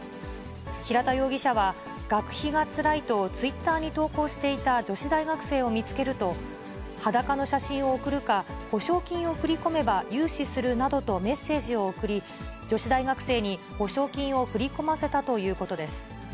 平田容疑者は、学費がつらいとツイッターに投稿していた女子大学生を見つけると、裸の写真を送るか、保証金を振り込めば融資するなどとメッセージを送り、女子大学生に保証金を振り込ませたということです。